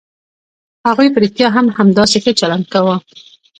هغوی په رښتيا هم همداسې ښه چلند کاوه.